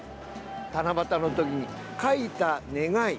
七夕のときに書いた願い